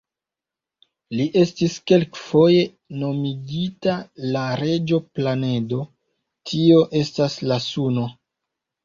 Li estis kelkfoje nomigita la "Reĝo-Planedo", tio estas la Suno.